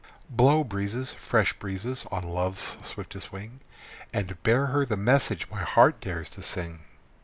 Blow breezes, fresh breezes, on Love's swiftest wing, And bear her the message my heart dares to sing.